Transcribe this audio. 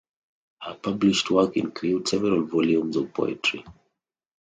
Her published work includes several volumes of poetry.